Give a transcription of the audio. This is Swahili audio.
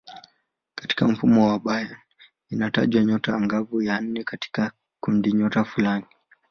Katika mfumo wa Bayer inataja nyota angavu ya nne katika kundinyota fulani.